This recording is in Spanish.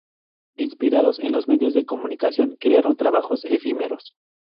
Inspirados en los medios de comunicación crearon trabajos efímeros.